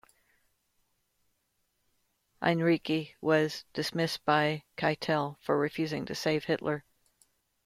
Heinrici was dismissed by Keitel for refusing to save Hitler.